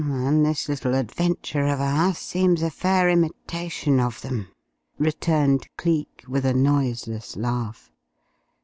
"And this little adventure of ours seems a fair imitation of them!" returned Cleek, with a noiseless laugh.